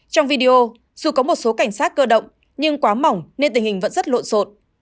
trong video dù có một số cảnh sát cơ động nhưng quá mỏng nên tình hình vẫn rất lộn xộn